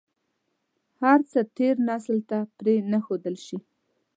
هر څه تېر نسل ته پرې نه ښودل شي.